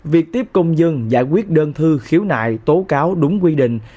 việc tiếp công dân giải quyết đơn thư khiếu nại tố cáo đúng quy định